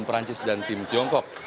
perancis dan tim tiongkok